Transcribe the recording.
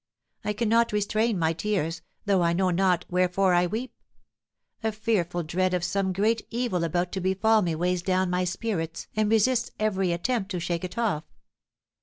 I cannot restrain my tears, though I know not wherefore I weep. A fearful dread of some great evil about to befall me weighs down my spirits and resists every attempt to shake it off."